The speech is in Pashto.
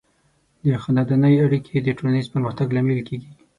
د خاندنۍ اړیکې د ټولنیز پرمختګ لامل کیږي.